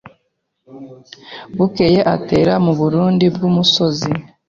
Bukeye atera mu Burundi bw’umusoni